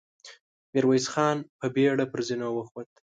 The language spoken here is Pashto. ميرويس خان په بېړه پر زينو وخوت.